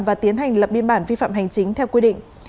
và tiến hành lập biên bản vi phạm hành chính theo quy định